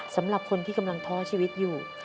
สำหรับคนที่กำลังท้อชีวิตอยู่